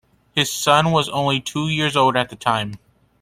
His son was only two years old at the time.